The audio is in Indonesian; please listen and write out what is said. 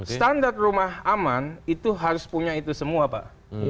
standar rumah aman itu harus punya itu semua pak